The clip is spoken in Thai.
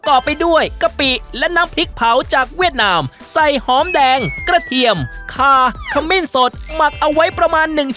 ใช่ค่ะแล้วก็จุ่มแล้วก็ทานเลย